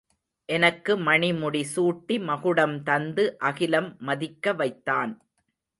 எனக்கு மணிமுடி சூட்டி மகுடம் தந்து அகிலம் மதிக்க வைத்தான்.